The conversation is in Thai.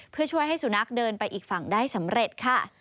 เพื่อช่วยให้สุนัขเดินไปอีกฝั่งได้สำเร็จค่ะ